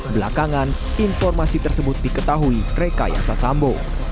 belakangan informasi tersebut diketahui rekayasa sambo